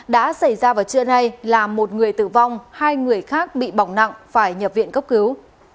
đã xảy ra vào trưa nay là một người tử vong hai người khác bị bỏng nặng phải nhập viện cấp cứu